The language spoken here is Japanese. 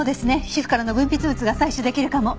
皮膚からの分泌物が採取できるかも。